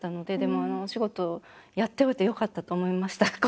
でもあのお仕事をやっておいてよかったと思いました。